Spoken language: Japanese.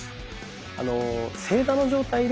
あの正座の状態で。